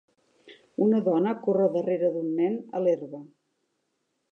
Una dona corre darrere d'un nen a l'herba.